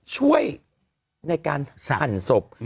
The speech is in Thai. ช่วยในการสั่นศพ